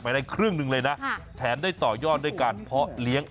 ได้ครึ่งหนึ่งเลยนะแถมได้ต่อยอดด้วยการเพาะเลี้ยง